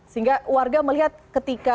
sehingga warga melihat ketika